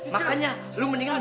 makanya lu mendingan